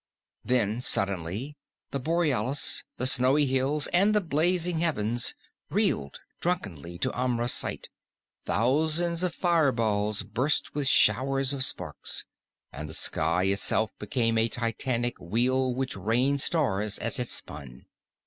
Then suddenly the borealis, the snowy hills and the blazing heavens reeled drunkenly to Amra's sight; thousands of fireballs burst with showers of sparks, and the sky itself became a titanic wheel which rained stars as it spun.